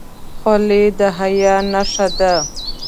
خولۍ د حیا نښه ده.